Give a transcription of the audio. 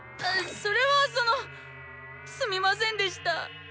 それはそのすみませんでした。